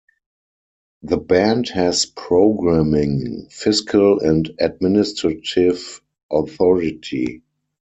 The band has programming, fiscal and administrative authority.